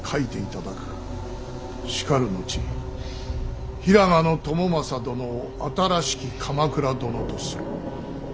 しかる後平賀朝雅殿を新しき鎌倉殿とする。